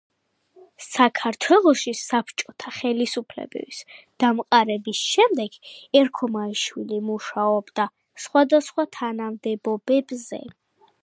საქართველოში საბჭოთა ხელისუფლების დამყარების შემდეგ ერქომაიშვილი მუშაობდა სხვადასხვა თანამდებობებზე.